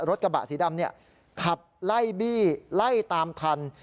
รถกระบะสีดำขับไล่บี้ไล่ตามทัน